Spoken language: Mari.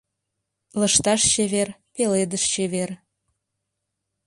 Лышташ чевер, пеледыш чевер